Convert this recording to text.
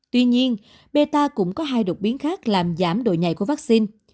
tuy nhiên bêta cũng có hai đột biến khác làm giảm độ nhảy của vắc xin